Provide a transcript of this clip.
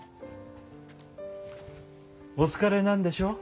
お疲れなんでしょう？